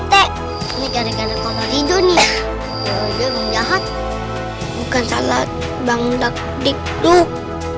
teg teg ini gara gara kalau hidung nih jahat bukan salah bangdak dikduk